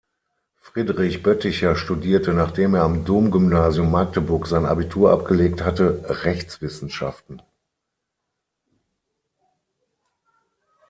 Friedrich Bötticher studierte, nachdem er am Domgymnasium Magdeburg sein Abitur abgelegt hatte, Rechtswissenschaften.